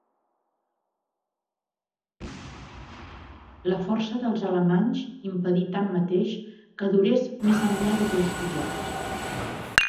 La força dels alemanys impedí tanmateix que durés més enllà de dos dies.